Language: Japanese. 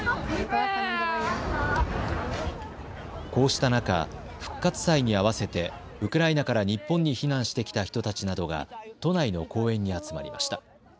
こうした中、復活祭に合わせてウクライナから日本に避難してきた人たちなどが都内の公園に集まりました。